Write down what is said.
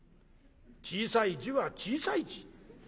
小さい字は小さい字。